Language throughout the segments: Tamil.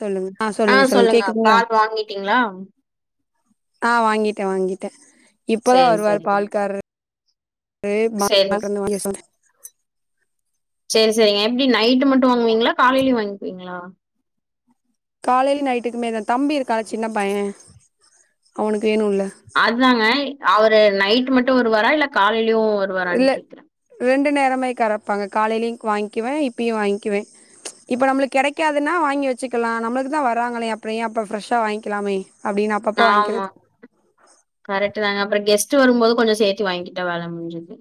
சொல்லுங்க ஆ சொல்லுங்க சொல்லுங்க கேக்குதுங்ளா ஆ வாங்கிட்ட வாங்கிட்ட இப்பதா சரி, வருவாரு சரிங்க. பால்காரரு சரி. மேலருந்து வாங்கிக்க சொல்ற சேரி சேரிங்க எப்டி நைட் மட்டு வாங்குவிங்களா காலைலயு வாங்கிப்பிங்ளா காலேலயு நைட்டுக்குமேதா தம்பி இருக்கானா சின்ன பைய அவனுக்கு வேணுல்ல அதாங்க அவரு நைட் மட்டு வருவாரா இல்ல காலேலயு இல்ல ரெண்டு நேரமே கறப்பாங்க காலைலயு வாங்கிக்குவே இப்பயு வாங்கிக்குவே இப்ப நம்மளுக்கு கெடைக்காதுன்னா வாங்கி வெச்சுக்கலா நம்மளுக்குதா வராங்களே அப்பற ஏ அப்ப ஃப்ரெஷ்ஷா வாங்க்கலாமே ஆமா கரெக்ட்டு தாங்க அப்பற கெஸ் ட் வரும் போது கொஞ்ச சேத்தி வாங்க்கிட்டா வேல முடிஞ்சுது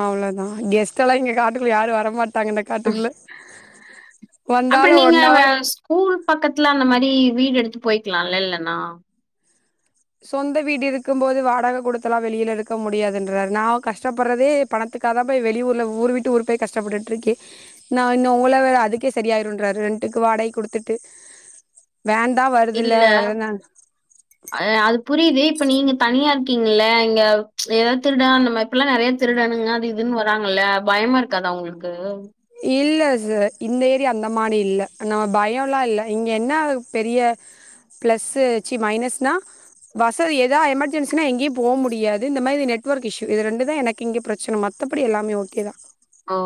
அவ்ளதா கெஸ்ட் எல்லா இங்க காட்டுக்குள்ள யாரு வரமாட்டாங்க இந்த காட்டுக்குள்ள அப்ப வந்தாலு நீங்க ஒன் அவர் ஸ்கூல் பக்கத்துல அந்த மாரி வீடு எடுத்து போய்க்கலால்ல இல்லனா சொந்த வீடு இருக்கும் போது வாடக குடுத்தெலா வெளியில இருக்க முடியாதுன்றாரு நா கஷ்டப்படறதே பணத் துக்காக போய் வெளியூர்ல ஊர் விட்டு ஊர் போய் கஷ்டப்பட்டுட்ருக்கே நா இன்னு உங்கள வே அதுக்கே செரியாயிருன்றாரு வீட்டுக்கு வாடகை குடுத்துட்டு வேன் தா வருதுல்ல இல்ல அதுல நா அ அது புரியுது இப்ப நீங்க தனியா இருக்கிங்கள்ள இங்க எதாவுது திருட அந்த மாரி இப்பெல்லா நெறைய திருடனுங்க அது இதுன்னு வராங்கல்ல பயமா இருக்காதா உங்களுக்கு இல்ல ச இந்த ஏரியா அந்த மாரி இல்ல நம்ம பயல்லா இல்ல இங்க என்ன பெரிய ப்ளஸ்ஸு ச்சி மைனஸ்னா வசதி எதா எமர்ஜென்சினா எங்கயு போக முடியது இந்த மாதிரி நெட்ஒர்க் இஷ்யூ இது ரெண்டுதா எனக்கு இங்க பிரச்சனை மத் மத்தபடி எல்லாமே ஓகேதா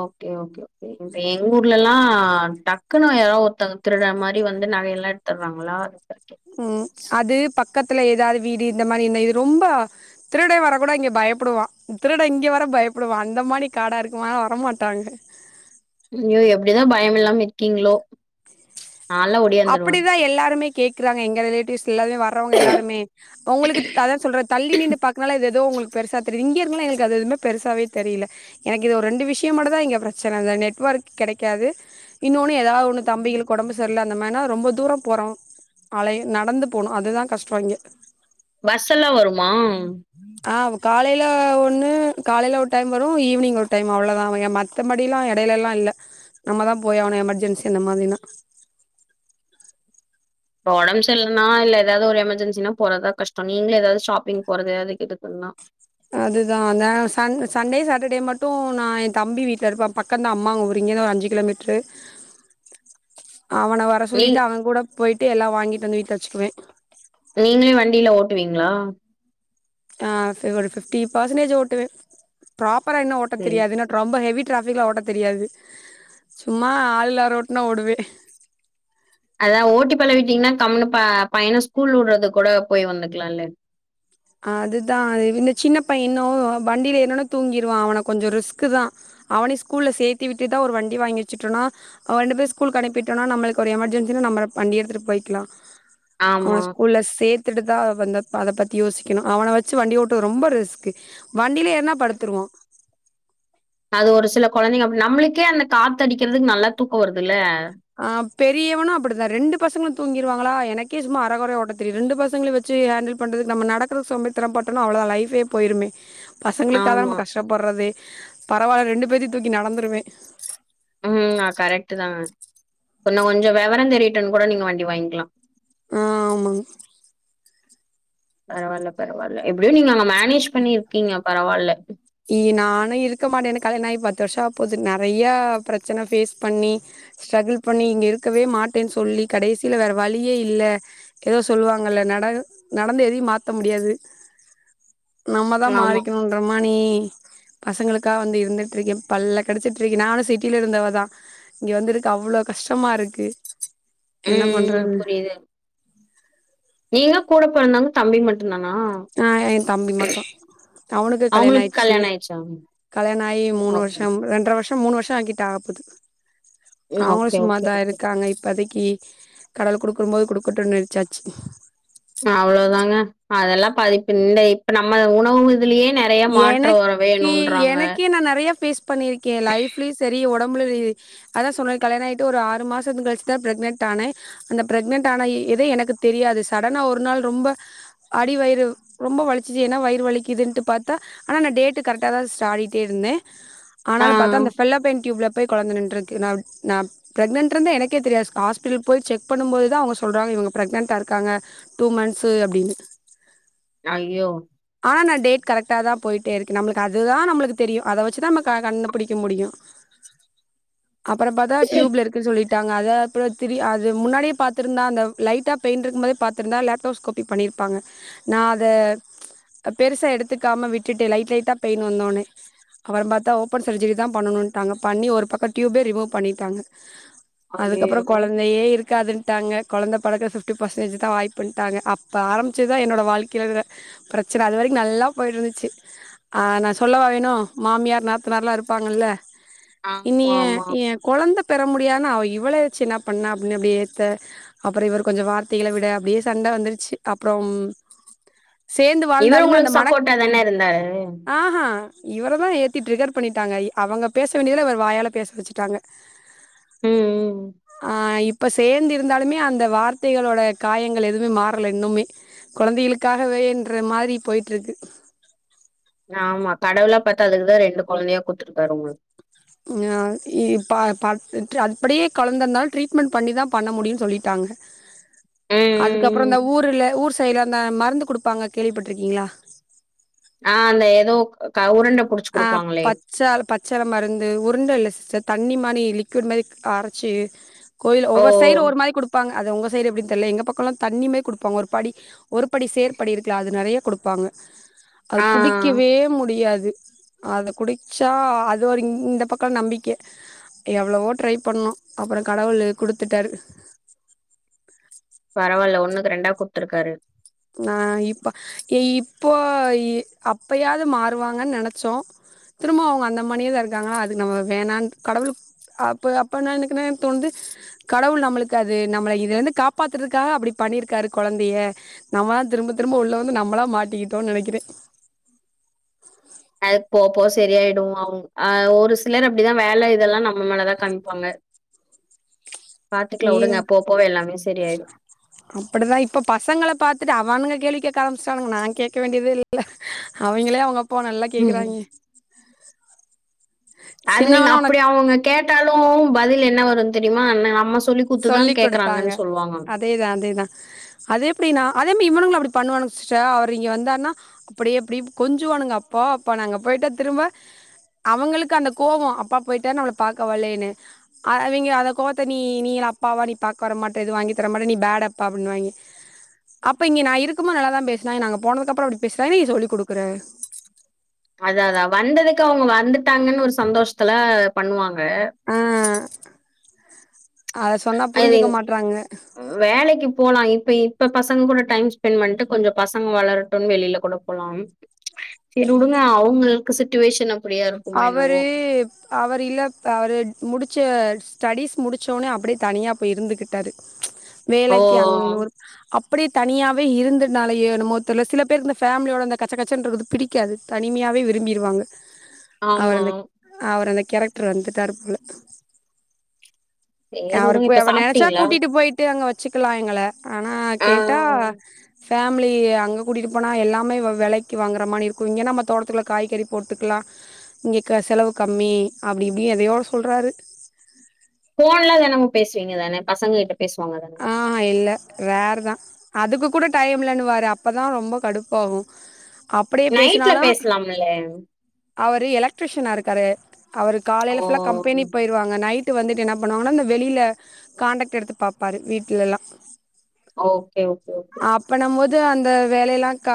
ஓகே ஓகே ஓகே இப்ப எங்க ஊர்லல்லா டக் குனு யாரா ஒருத்தங்க திருட மாரி வந்து நகைய எல்லா எடுத்தர்றாங்களா அதுக்கு ம் அது ப க்கத்துல எதாது வீடு இந்த மாரி இருந்தா இது ரொம்பா திருட வர கூட இங்க பயப்படுவா திருட இங்க வர பயப்படுவா அந்த மாரி காடா இருக்குமா வரமாட்டாங்க ஐயோ எப்டிதா பயம் இல்லாம இருக்கிங்ளோ அப்பிடிதா எல்லாருமே கேக்குறாங்க எங்க ரிலேட்டிவ்ஸ் எல்லருமே வர்றவங்க எல்லாருமே உங்களுக்கு அதா சொல்ற தள்ளி நின்னு பாக்கனால இது எதோ உங்ளுக்கு பெருசா தெரிது இங்கே இருக்கனால அது எதுமே பெருசாவே தெரில எனக்கு இது ஒரு ரெண்டு விஷய மட்டுந்தா இங்க பிரச்சனை அந்த நெட்ஒர்க் கெடைக்காது இன்னோனு எதாவது ஒன்னு தம்பிகளுக்கு ஒடம்பு செர்ல்ல நம்ம என்ன ரொம்ப தூர போறோ அலை நடந்து போணு அதுதா கஷ்ட இங்க பஸ் எல்லா வருமா ஆ காலையில ஒண்ணு காலையில ஒரு டைம் வரு ஈவினிங் ஒரு டைம் அவ்ளோதாங்க மத்தபடில்லா எடை ல எல்லா இல்ல நம்ம தா போய் ஆவனு எமர்ஜென்சி அந்த மாரினா இப்போ ஒடம் சர்லன்னா இல்ல எதாவது ஒரு எமர்ஜென்சினா போறதா கஷ்டோ நீங்கலே எதாவது ஷாப்பிங் போறது அதுக்கிதுக் எல்லா அதுதா த சன் சண்டே சாட்டர்டே மட்டு நா என் தம்பி வீட்ல இருப்ப அப் பக்கந்தா அம்மாங் ஊரி இங்கிந்து ஒரு அஞ்சு கிலோமீட்ரு அவன வர நீ சொல்லிட்டு அவன் கூட போய்ட்டு எல்லா வாங்கிட்டு வந்து வீட்ல வெச்சுக்குவே டுவீங்களா ஆஹ் ஃபீவல் ஃபிஃப்டி பர்சன்டேஜு ஓட்டுவே ப்ராப்பரா இன்னு ஓட்ட ம் தெரியாது ன ரொம்ப ஹெவி ட்ராஃபிக்ல ஓட்ட தெரியாது சும்மா ஆள் இல்லா ரோட்னா ஓடுவே அதா ஓட்டி பழவிட்டீங்ன்னா கம்முனு ப பையனா ஸ்கூல்ல உட்றது கூட போய் வந்துக்லால்ல அதுதா அது இந்த சின்ன பைய இன்னு வண்டில ஏர்னொன்ன தூங்கிருவா அவன கொஞ்சொ ரிஸ்கு தா அவனையு ஸ்கூல்ல சேத்தி விட்டுதா ஒரு வண்டி வாங்கிர்ச்சுட்டோனா அவ ரெண்டு பேர் ஸ்கூல்க்கனுப்பிட்டோனா நம்ளுக்கு ஒரு எமர்ஜென்சி நம்மளப் வண்டியெடுத்துட்டு போய்க்கலா ஆமா அவன ஸ்கூல்ல சேத்துட்டு தா வந்து அத பத் தி யோசிக்கணு அவன வச்சு வண்டி ஓட்டு ரொம்ப ரிஸ்கு வண்டில ஏறுன படுத்துருவா அது ஒரு சில கொழந்தைங்க அப்டி நம்ளுக்கே அந்த காத்தடிக்கிறதுக்கு நல்லா தூக்கோ வருதுல்ல ஆஹ் பெரியவனு அப்புடிதா ரெண்டு பசங்களு தூங்கிருவாங்களா எனக் கே சும்மா அர கொறய ஓட்ட தெரியு ரெண்டுபசங்களயு வெச்சு ஹேண்டில் பண்றது நம்ம நடக்கரக்கு சோம்பேறி தனோபட்டோனா அவ்ளதா லைஃபே போயிருமே பசங்களுக்காக தா ஆமா நம்ம கஷ்டப்படுறதே பரவால்ல ரெண்டு பேத்தயு தூக்கி நடந்துருவே ம் ஆ கரெக்ட்டுதா உன்ன கொஞ்சொ வெவரந்தெரியட்டன் கூட நீங்க வண்டி வாய்ங்க்கலா ஆ ஆமாங் பரவால்ல பரவால்ல எப்டியு நீங்க அங்க மேனேஜ் பண்ணிருக்கீங்க பரவால்ல இ நானு இருக்க மாட்டே எனக் கல்யாணாயி பத்து வருஷோ ஆப் போது நறையா ப்ரெச்சன ஃபேஸ் பண்ணி ஸ்ட்ரகுள் பண்ணி இங்க இருக்கவே மாட்டேன் சொல்லி கடைசில வேற வழியே இல்ல எதோ சொல்லுவாங்கல்ல நட் அ நடந்த எதையு மாத்த முடியாது நம்ம தா ஆமா. மாறிக்கணுன்ற மா நீ இ பசங்களுக்கா வந்து இருந்துட்ருக்கே பல்ல கடிச்சிட்ருக்கே நானு சிட்டில இருந்தவதா இங்க வந்து இருக்க அவ்ளோ கஷ்டமா இருக்கு என்ன ம் பண்றது புரிது நீங்க கூட பொறந்தவங்க தம்பி மட் ஆ எ தம்பி மட்டு அவனுக்கு அவங்களுக்கு கல்யாணாயிட்ச்சு கல்யாணம் ஆயிடுச்சா? கல்யாணாயி மூணு ஓகே. வருஷம் ரெண்டர வர்ஷ் மூணு வருஷாகிட்டாகப் போது அவங்களு ஓகே ஓகே சும்மாதா ஓகே. இருக்காங்க இப்பதிக்கி கடவுள் குடுக்கும் போது குடுக்கட்டுன்னு ச்சாச்சி அவ்ளோதாங்க அதெல்லா பாதிப்பிந்த இப்ப நம்ம உணவு இதுலியே நறயா மாற்ற வர எனக்கு வேணுன்றாங்க எனக்கே நா நெறைய ஃபேஸ் பண்ணிருக்கே லைஃப்லியு செரி ஒடம் புல இது அதா சொல்றனே கல்யாணயிட்டு ஒரு ஆறு மாசத்துக்கழிச்சுதா ப்ரெக்னென்ட் ஆனே அந்த ப்ரெக்னென்ட் ஆன இ இது எனக்கு தெரியாது சடனா ஒரு நாள் ரொம்ப அடி வயிறு ரொம்ப வலிச்சிச்சி என்னா வயிறு வலிக்குதுன்ட்டு பாத் தா ஆனா நா டேடு கரட்டா தா ஸ்டாடிட்டே இருந்தே ஆ. ஆனாலு பத்தா அந்த ஃபெல்லோபெயின் டியூப்ல போய் கொழந்த நின்றுக்கு நா நா ப்ரெக்னென்ட்ருந்த எனக்கே தெரியாஸ் ஹாஸ்பிட்டல் போய் செக் பண்ணும் போது தா அவுங்க சொல்றாங்க இவுங்க ப்ரெக்னண்டா இருக்காங்க டூ மன்த்ஸு அப்டின்னு அய்யோ ஆனா நா டேட் கரட்டா தா போயிட்டே இருக்கு நம்மளுக்கு அதுதா நம்மளுக்கு தெரியு அத வச்சுதா நம்ம கண்ணு புடிக்க முடியு அப்பற பாத்தா டியூப்ல இருக்கு சொல்லீட் டாங்க அத அப்றோ திரி அது முன்னாடியே பாத்திருந்தா அந்த லைட்டா பெயின் ருக்கும்மோதே பாத்துருந்தா லேப்டோஸ்கோப்பி பண்ணிரு ப்பாங்க நா அத பெருசா எடுத்துக்காம விட்டுட்டே லைட் லைட்டா பெயின் வந்தொன்னே அப்பறம்பாத்தா ஓபன் சர்ஜரி தா பண்ணணுன்டாங்க பண்ணி ஒரு பக்கோ ட்யூபே ரிமூவ் பண்ணிட்டாங்க அதுக்கப்பறோ ஐயய்யோ! கொழந்தயே இருக்காதுன் டாங்க கொழந்த பொறக்க பிப்டி பர்சன்டேஜ் தா வாய்புன்டாங்க அப்ப ஆரம்பிச்சது தா என்னோட வாழ்க்கேல பிரச்சன அது வரைக்கு நல்லா போயிட்டு இருந்துச்சி ஆனா சொல்லவா வேணு மாமியார் நந்தனார்ல்லா இருப்பாங்கல்ல இனி ஆமா ஏ ஆமா. ஏ கொழந்தப் பெற முடியாதுனா அவ இவள வச்சி என்ன பண்ண அப்படின்னு அப்டியே ஏத்த அப்பறோ இவரு கொஞ்சோ வார்த்தைகள விட அப்டியே சண்ட வந்துருச்சி அப்பறம் இவரு உங்களுக்கு சப்போட்டா தான இருந்தாரு ஆஹா இவரதா ஏத்தி ட்ரிகர் பண்ணிட்டாங்க அவங்க பேச வேண்டியதெல்லா இவர் வாயால பேச வச்சிட்டாங்க ம் ம். ஆ இப் ப சேந்து இருந்தாலுமே அந்த வார்த்தைகளோட காயங்கள் எதுவுமே மாறல இன்னுமே கொழந்தைகளுக்காகவேன்ற மாரி போயிட்டு இருக்கு ஆமா கடவுளா பாத்து அதுக்குதா ரெண்டு கொழந்தையா குடுத்துருக்காரு உங்களுக் ஆ இப் பா பாத் ட்ரு அதுபடியே கொழந்த இருந்தாலு ட்ரீட்மெண்ட் பண்ணிதா பண்ண முடியும்னு சொல்லிட்டாங் ங்க ம் அதுக்கப்பறோ ம் ம் தா ஊருல ஊர் சைடுல அந்த மருந்து குடுப்பாங்க கேள்விப்பட்டுருக்கீங்களா ஆ அந்த ஏதோ க உருண்ட புடிச்சு ஆ குடுப்பாங்களே பச்சால பச்சல மருந்து உருண்ட இல்ல சிஸ்டர் தண்ணி மா ரி லிக்விட் மாரி அரச்சு கோயில்ல ஓ ஒவ்வொரு சைடு ஒரு மாரி குடுப்பாங்க அது உங்க சைடு எப்டி தெரில எங்க பக்கம்லா தண்ணிமா குடுப்பாங்க ஒரு படி ஒரு படி சேற்படி இருக்குல அது நெறைய குடுப்பாங்க அது ஆ குடிக்கவே முடியாது அது குடிச்சா அது ஒரு இந்த பக்க நம்பிக்க எவ்வளவோ ட்ரை பண்ணோ அப்புற கடவுளு குடுத்துட்டாரு பரவால்ல ஒண்ணுக்கு ரெண்டா குடுத்துருக்காரு ஆஹ் இப்ப ஏ இப்போ அப்பயாவது மாறுவாங்கன்னு நெனச்சோ திரும்ப அவுங்க அந்த மானியேதா இருக்காங்களா அதுக்கு நம்ம வேணான் கடவுளு அப்ப அப்பனா எனக்கு தோணந்து கடவுள் நம்மளுக்கு அது நம்மள இதுல இருந்து காப்பாத்துறதுக்காக அப்படி பண்ணிருக்காரு கொழந்தய நம்ம தா திரும்ப திரும்ப உள்ள வந்து நம்மளா மாட்டிக்கிட்டோன்னு நெனகிறே அதுக்கு போப் போவ சரியாயிடு அவங் அஹ் ஒரு சிலர் அப்டிதா வேல இதெல்லா நம் மல தா காமிப்பாங்க பாத்துக்கலா உடுங்க போ போவ எல்லாமே சரி ஆயிடு அப்டிதா இப்ப பசங்கள பாத்துட்டு அவானுங்க கேள்வி கேக் க்க ஆரம்பிச்சுட்டானுங்க நா கேட்க வேண்டியதே இல்ல அவங்களே அவங்க அப்பாவ நல்லா ம் கேக்குறாய்ங்க அது நீங்க சின்னவலா உனக்கு அப்டி அவங்க கேட்டாலு பதில் என்ன வரும்னு தெரியுமா ன்ன அம்மா ஸ் சொல்லி குடுத்தாங்க அதேதா அதேதா அது எப்டினா அதே மா இவனுங்களு அப்டி பண்ணுவானுங்க சிஸ்டர் அவர் இங்க வந்தாருனா அப்டியே எப்டி கொஞ்சுவானுங்க அப்பா அப்பானா அங்க போய் கிட்ட திரும்ப அவங்களுக்கு அந்த கோவோ அப்பா போயிட்டாரு நம்மள பாக்க வல்யேன்னு அவிய்ங்க அந்த கோவத்த நீ நீ அப் பாவா நீ பாக்க வர மாட்டே எது வாங்கி தர மாட்ட நீ பேட் அப்பா அப்டினுவாய்ங்கே அப்ப இங்க நா இருக்குமோ நல்லாதா பேசுனாய்ங்க நா போனதுக்கு அப்புற அப்டி பேசுறாய்ங் நீ சொல்லி குடுக்குற அதா அதா வந்ததுக்கு அவங்க வந்துட்டாங்கனு ஒரு சந்தோஷத்துல பண்ணுவாங்க ஆ அத சொன்னா புரிஞ்சுக்க அதுவேன் மாட்றாங்க வேலைக்குப் போலா இப்ப இப்ப பசங்க கூட டைம் ஸ்பெண்ட் பண்ணிட்டு கொஞ்ச பசங்க வளரட்டுன்னு வெளியில கூட போலா செரி விடுங்க அவங்களுக்கு சுட்டுவேஷன் அவரு அவர் இல்லப் அவரு முடிச் ச்ச ஸ்டடிஸ் முடிச்சோனே அப்டியே தனியா போய் இருந்துகிட்டாரு ஓ! வேலைக்கு அங்க வொர்க் அப் அப்டி தனியாவே இருந்தனாலயோ என்னமோ தெர்ல சில பேர் அந்த ஃபேமிலியோட அந்த கச்ச கச்சன்றது பிடிக்காது தனிமையா விரும்பிடுவாங்க அவர் ஆமா. அந்த அவர் அந்த கேரக்டர் வந்துட்டாரு போல சரி உடுங்க. அவருக்கு இப்ப அவர் நெனச்சா சாப்ட்டீங்களா? கூட்டிட்டு போயிட்டு அங்க வச் வச்சுக்கலா எங்கள ஆனா ஆ. கேட்டா ஃபேமிலி அங்க கூட்டிட்டு போனா எல்லாமே வெலைக்கு வாங்குற மாரி இருக்கு இங்கன்னா நம்ம தோடத்துகுள்ள காய்கறி போட்டுக்கலா இங்க செலவு கம்மி அப்டி இப்டி எதயோ சொல்றாரு போன்ல தெனமு பேசுவீங்க தான பசங்க கிட்ட பேசுவாங்க தானே? ஆ இல்ல ரேரு தா அதுக்கு கூட டைம்லன்னுவாரு அப்பதா ரொம்ப கடுப்பாவு அப்டியே நைட்ல பேசினாலு பேசலாம்ல? அவரு எலக்ட்ரிஷனா இருக்காரு அவரு ஓ! காலைல ஃபுல்லா கம்பெனி போயிருவாங்க நைட் ட்டு வந்துட்டு என்ன பண்ணுவாங்கன்னா இந்த வெளில கான்டக்ட் எடுத்து பாப்பாரு வீட்டுலலா ஓகே ஓகே ஓகே அது அந்த வேலையெல்லா க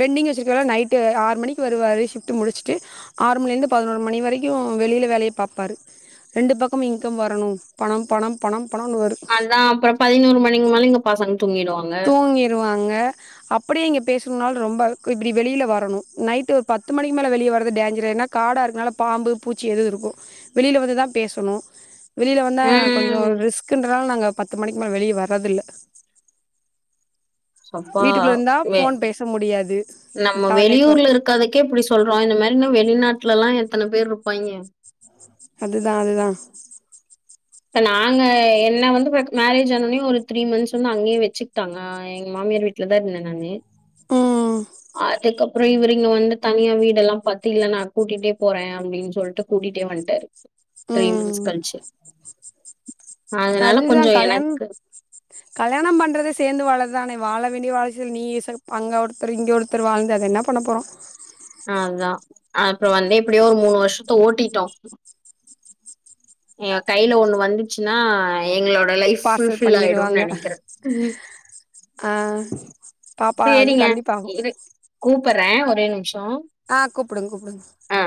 பெண்டிங் வச்சுருக்கல நைட்டு ஆறு மணிக்கு வருவாரு ஷிஃப்டு முடிச்சுட்டு ஆறு மணில இருந்து பதினொரு மணி வரைக்கு வெளியில வேலய பாப்பாரு ரெண்டு பக்கம் இன்கம் வரணு பணம் பணம் பணம் பணம்னு வரும் அதா அப்பற பதினோரு மணிக்கு மேல இங்க பசங் தூங்கிருவாங்க அப்டியே இங்க பேசுனாலு ரொம்ப இப்டி வெளியில வரணு நைட் ஒரு பத்து மணிக்கு மேல வெளிய வரது டேஞ்சர் ஏனா காடா இருக்கனால ப பாம்பு பூச்சி எது இருக்கு வெளில வந்து தா பேசனு வெளில வந்தா கொஞ்சொ ம். ரிஸ்க்குன்றனால நாங்க பத்து மணிக்கு மேல வெளிய வர்றதில்ல அப்பா! வீட்டுக்குள்ள இருந்தா வெ ஃபோன் பேச முடியாது நம்ம டவர் நெட்வொர்க் வெளியூர்ல இருக்கதுக்கே இப்டி சொல்றோ இந்த மாரி நா வெளிநாட் ட்லல்லா எத்தன பேர் ருப்பாய்ங்க அதுதா அதுதா ப்ப நாங்க என்ன வந்து மேரேஜ் ஆனோனியு ஒரு த்ரீ மன்த்ஸ் வந்து அங்க்யே வெச்சுக்ட்டாங்க எங் மா மாமியார் வீட்ல தா இருந்த நானு ம் ப்றொ இவரு இங்க வந்து தனியா வீடெல்லா பாத்து இல்ல நா கூட்டிட்டே போற அப்டின் சொல்ட்டு கூட்டிட்டே வன்ட்டாரு த்ரீ ம் மன்த்ஸ் கல்ச்சு அதுதா கல்யாண் எனக்கு கல்யாணம் பண்றது சே சேந்து வாளதானே வாள வேண்டிய வாய்சுல் நீ அங்க ஒருத்தர் இங்க ஒருத்தர் வாழ்ந்து அது என்ன பண்ண போறோ அதா அப்றோ வந்து எப்டியோ ஒரு மூணு வர்ஷத்த ஓட்டிட்டோ எ கைல ஒண்ணு வந்துச்சுன்னா எங்ளோ லைஃப் ஃபுல் பார்சல் ஃபில் ஆயிடுன் பண்ணிருவாங்க நெனைக்கிறே ம் ஆ பாப்பா அது கண்டிப்பா ஆகு கூப்பறே ஒரே நிம்ஷோ கூப்புடுங்க கூப்புடுங்க ஆ